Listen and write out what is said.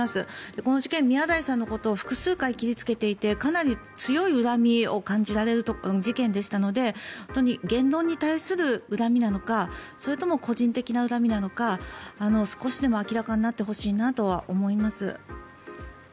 この事件、宮台さんのことを複数回、切りつけていてかなり強い恨みが感じられる事件でしたので言論に対する恨みなのかそれとも個人的な恨みなのか少しでも明らかになってほしいと思います。